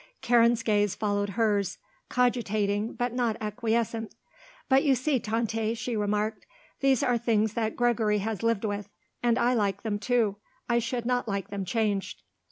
Karen's gaze followed hers, cogitating but not acquiescent. "But you see, Tante," she remarked, "these are things that Gregory has lived with. And I like them so, too. I should not like them changed."